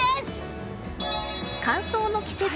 乾燥の季節。